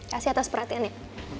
kasih atas perhatian ya